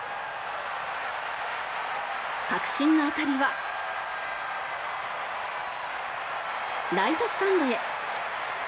確信の当たりはライトスタンドへ。